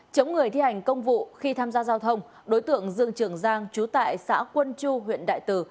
chống người thi hành công vụ khi tham gia giao thông đối tượng dương trường giang trú tại xã quân chu huyện đại từ